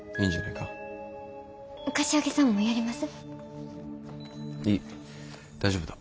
いい大丈夫だ。